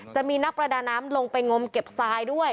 จะมีนักประดาน้ำลงไปงมเก็บทรายด้วย